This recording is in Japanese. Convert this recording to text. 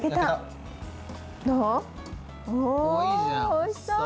おいしそう。